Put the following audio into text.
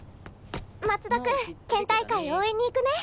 松田君県大会応援に行くね。